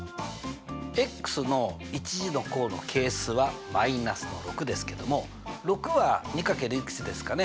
の１次の項の係数は−６ですけども６は２かけるいくつですかね？